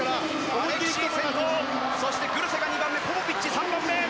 アレクシー先頭グルセが２番目ポポビッチ３番目。